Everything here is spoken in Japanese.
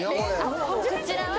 こちらは。